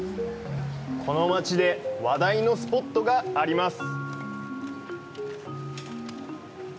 この街で話題のスポットがあります！